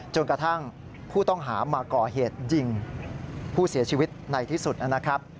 จนกระทั่งผู้ต้องหามาก่อเหตุยิงผู้เสียชีวิตในที่สุดนะครับ